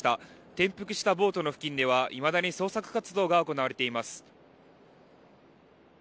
転覆したボートの付近ではいまだに捜索活動が行われています。